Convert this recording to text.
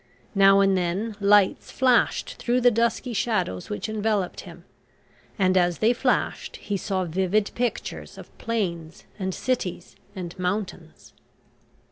Now and then lights flashed through the dusky shadows which enveloped him, and as they flashed he saw vivid pictures of plains and cities and mountains.